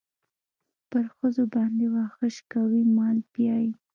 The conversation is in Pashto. پر ښځو باندې واښه شکوي مال پيايي.